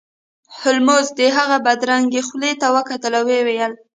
هولمز د هغه بدرنګې خولې ته وکتل او ویې ویل